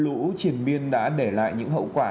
lũ triển biên đã để lại những hậu quả